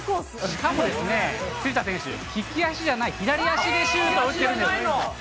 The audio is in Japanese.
しかも、藤田選手、利き足じゃない左足でけってるんです。